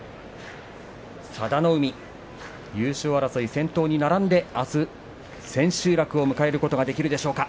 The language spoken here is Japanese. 佐田の海、優勝争い先頭に並んであす、千秋楽を迎えることができるでしょうか。